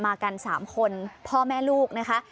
มากัน๓คนพ่อแม่ลูกนะคะ